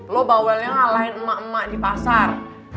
lo bawelnya ngalahin emak emak di pasar